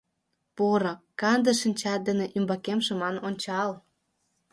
Поро, канде шинчат дене Ӱмбакем шыман ончал.